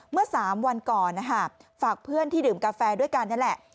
เมื่อ๓วันก่อนฝากเพื่อนที่ดื่มกาแฟด้วยกันนี่แหละ